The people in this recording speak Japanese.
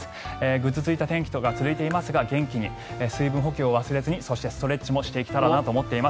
ぐずついた天気が続いていますが元気に水分補給を忘れずにそしてストレッチもしていけたらなと思います。